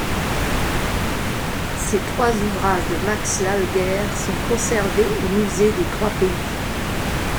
Ces trois ouvrages de Max Laeuger sont conservés au musée des Trois Pays.